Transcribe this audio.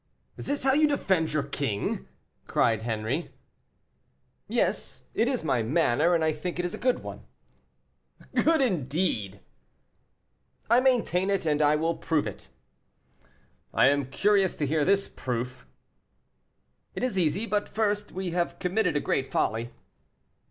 "Is this how you defend your king?" cried Henri. "Yes, it is my manner, and I think it is a good one." "Good, indeed!" "I maintain it, and I will prove it." "I am curious to hear this proof." "It is easy; but first, we have committed a great folly."